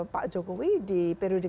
pak jokowi di periode